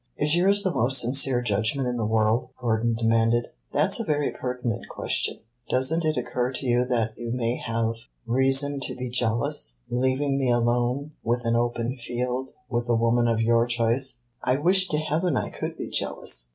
"Is yours the most sincere judgment in the world?" Gordon demanded. "That 's a very pertinent question. Does n't it occur to you that you may have reason to be jealous leaving me alone, with an open field, with the woman of your choice?" "I wish to heaven I could be jealous!"